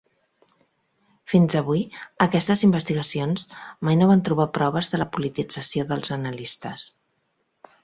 Fins avui, aquestes investigacions mani no van trobar proves de la politització dels analistes.